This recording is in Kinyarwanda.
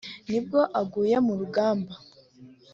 nibwo aguye mu rugamba